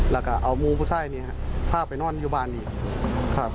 แล้วก็เอามูผู้ใส่เนี้ยค่ะผ้าไปนอนอยู่บ้านอยู่ครับ